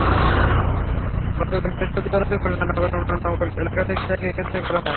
গতকাল বৃহস্পতিবার রাতে খুলনা নগরের নুরনগর এলাকা থেকে তাঁকে গ্রেপ্তার করা হয়।